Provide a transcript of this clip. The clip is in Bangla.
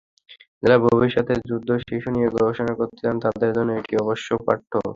যাঁরা ভবিষ্যতে যুদ্ধশিশু নিয়ে গবেষণা করতে চান তাঁদের জন্য এটি অবশ্যপাঠ্য।